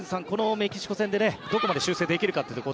メキシコ戦でどこまで修正できるのかと。